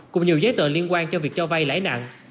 cùng nhiều giấy tờ liên quan cho việc cho vay lãi nặng